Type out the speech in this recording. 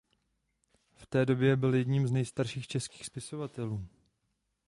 V té době byl jedním z nejstarších českých spisovatelů.